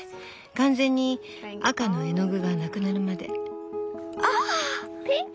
完全に赤の絵の具がなくなるまで。